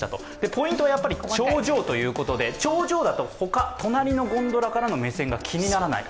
ポイントは頂上ということで、頂上だと隣のゴンドラからの目線が気にならない。